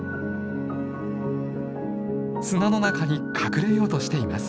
砂の中に隠れようとしています。